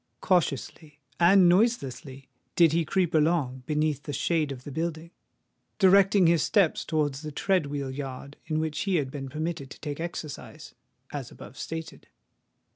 Cautiously and noiselessly did he creep along, beneath the shade of the building—directing his steps towards the tread wheel yard in which he had been permitted to take exercise, as above stated.